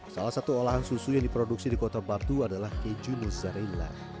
salah satu olahan susu yang diproduksi di kota batu adalah keju mozzarella